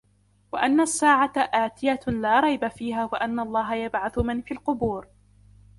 وَأَنَّ السَّاعَةَ آتِيَةٌ لَا رَيْبَ فِيهَا وَأَنَّ اللَّهَ يَبْعَثُ مَنْ فِي الْقُبُورِ